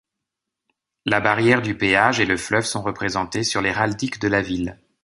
La barrière du péage et le fleuve sont représentés sur l'héraldique de la ville.